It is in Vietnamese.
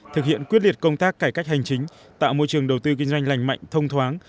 thực hiện quyết liệt công tác cải cách hành chính tạo môi trường đầu tư kinh doanh lành mạnh thông thoáng